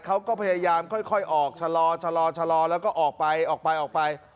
เขาก็พยายามค่อยออกชะลอชะลอแล้วก็ออกไปออกไป